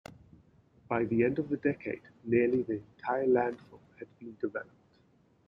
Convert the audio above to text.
By the end of the decade, nearly the entire landfill had been developed.